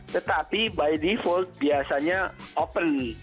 tetapi by default biasanya open